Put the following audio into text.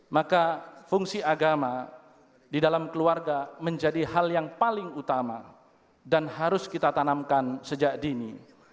maka fungsi agama di dalam keluarga menjadi hal yang paling utama dan harus kita tanamkan sejak dini